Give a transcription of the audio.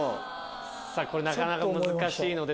これなかなか難しいので。